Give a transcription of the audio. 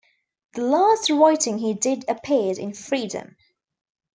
The last writing he did appeared in "Freedom".